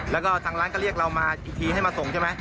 แล้วก็ทางร้านก็เรียกเรามาอีกทีให้มาส่งใช่ไหม